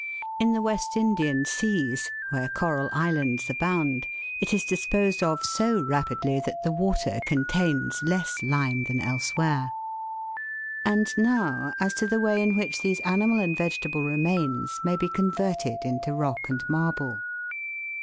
In the West Indian seas, where coral islands abound, it is disposed of so rapidly that the water contains less lime than elsewhere. And now as to the way in which these animal and vege table remains may be converted into rock and marble.